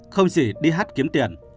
không chỉ đi hát kiếm tiền